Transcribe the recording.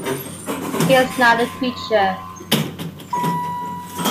He is not a creature.